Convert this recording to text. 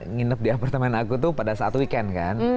nginep di apartemen aku tuh pada saat weekend kan